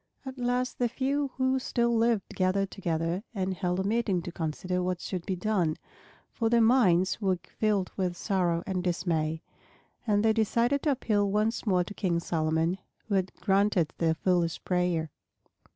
At last the few who still lived gathered together and held a meeting to consider what should be done, for their minds were filled with sorrow and dismay. And they decided to appeal once more to King Solomon, who had granted their foolish prayer.